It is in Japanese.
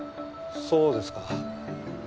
そうですか。